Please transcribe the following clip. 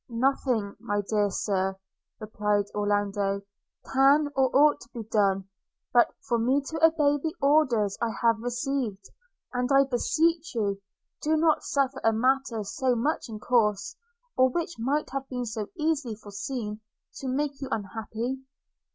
'Nothing, my dear Sir,' replied Orlando, 'can or ought to be done, but for me to obey the orders I have received; and, I beseech you, do not suffer a matter so much in course, or which might have been so easily forseen, to make you unhappy!'